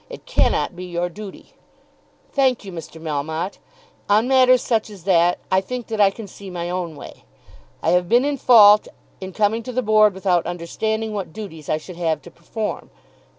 It cannot be your duty ." "Thank you, Mr. Melmotte. On matters such as that I think that I can see my own way. I have been in fault in coming in to the Board without understanding what duties I should have to perform